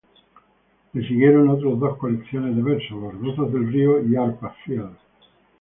Le siguieron otras dos colecciones de versos: "Los gozos del río" y "Arpa fiel".